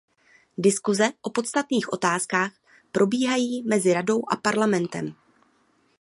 Diskuse o podstatných otázkách probíhají mezi Radou a Parlamentem.